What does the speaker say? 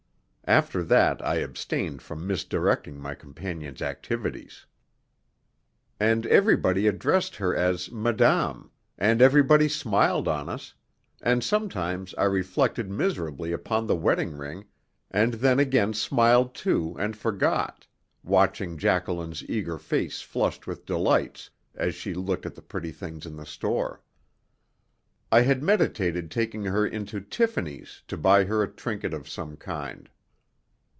After that I abstained from misdirecting my companion's activities. And everybody addressed her as madame, and everybody smiled on us, and sometimes I reflected miserably upon the wedding ring, and then again smiled too and forgot, watching Jacqueline's eager face flushed with delight as she looked at the pretty things in the store. I had meditated taking her into Tiffany's to buy her a trinket of some kind.